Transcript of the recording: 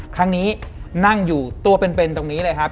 ครั้งนี้นั่งอยู่ตัวเป็นตรงนี้เลยครับ